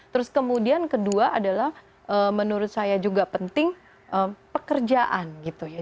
terus kemudian kedua adalah menurut saya juga penting pekerjaan gitu ya